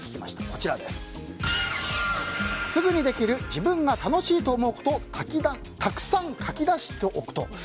すぐにできる自分が楽しいと思うことをたくさん書き出しておく。